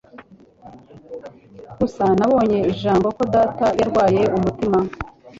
Gusa nabonye ijambo ko data yarwaye umutima.